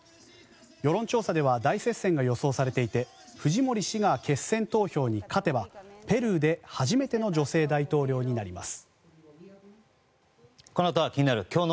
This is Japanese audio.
世論調査では大接戦が予想されていてフジモリ氏が決選投票に勝てばペルーで初めての女性大統領になります。